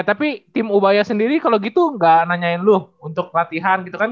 tapi tim ubaya sendiri kalau gitu nggak nanyain lu untuk latihan gitu kan